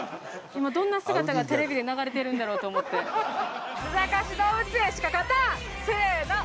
今どんな姿がテレビで流れてるんだろうと思ってせの